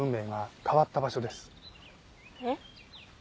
えっ？